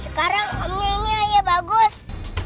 sekarang omnya ini ayah bagus